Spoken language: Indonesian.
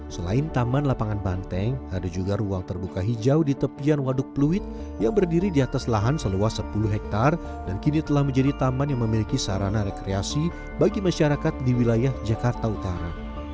selain taman lapangan banteng ada juga ruang terbuka hijau di tepian waduk pluit yang berdiri di atas lahan seluas sepuluh hektare dan kini telah menjadi taman yang memiliki sarana rekreasi bagi masyarakat di wilayah jakarta utara